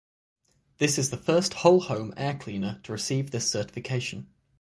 This is the first whole home air cleaner to receive this certification.